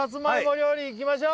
料理いきましょう